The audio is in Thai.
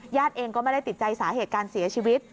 เองก็ไม่ได้ติดใจสาเหตุการเสียชีวิต